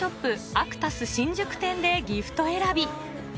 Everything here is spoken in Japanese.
ＡＣＴＵＳ新宿店でギフト選び